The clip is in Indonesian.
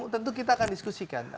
tentu kita akan diskusikan